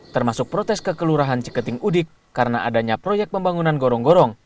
termasuk protes ke kelurahan ciketing udik karena adanya proyek pembangunan gorong gorong